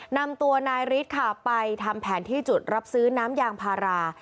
นำตัวนายฤทธิ์ค่ะไปทำแผนที่จุดรับซื้อน้ำยางพารา